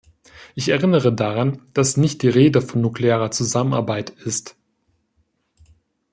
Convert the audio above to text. Ich erinnere daran, dass nicht die Rede von nuklearer Zusammenarbeit ist.